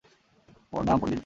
প্রণাম, পন্ডিতজি।